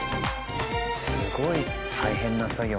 すごい大変な作業。